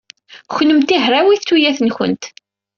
Kennemti hrawit tuyat-nwent.